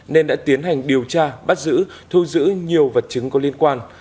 nên đã tiến hành điều tra bắt giữ thu giữ nhiều vật chứng có liên quan